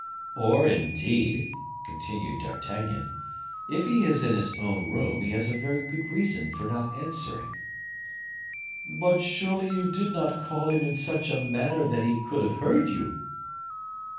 "Or, indeed," continued D'Artagnan, "if he is in his own room, he has very good reasons for not answering." "But surely you did not call him in such a manner that he could have heard you?"